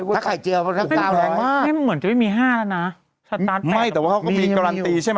แล้วไข่เจียวเขาทั้งเก้าแรงมากนี่มันเหมือนจะไม่มีห้านะไม่แต่ว่าเขาก็มีการันตีใช่ไหม